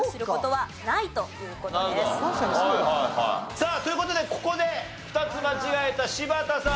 さあという事でここで２つ間違えた柴田さん